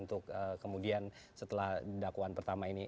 untuk kemudian setelah dakwaan pertama ini